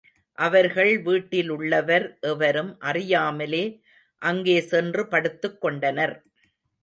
அவர்கள் வீட்டிலுள்ளவர் எவரும் அறியாமலே அங்கே சென்று படுத்துக்கொண்டனர்.